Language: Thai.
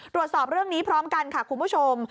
ตรวจสอบเรื่องนี้พร้อมกันค่ะคุณผู้ชม